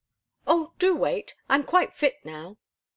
"Oh, do wait! I'm quite fit now."